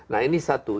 nah ini satu